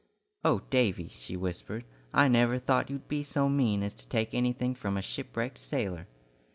"Oh, Davy!" she whispered, "I never thought you'd be so mean as to take anything from a shipwrecked sailor!"